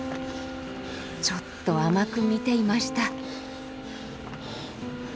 ちょっと甘くみていました。